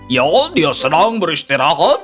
ya dia sedang beristirahat